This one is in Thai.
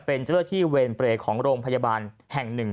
เป็นเจ้าหน้าที่เวรเปรย์ของโรงพยาบาลแห่งหนึ่ง